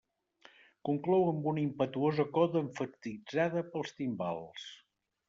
Conclou amb una impetuosa coda emfatitzada pels timbals.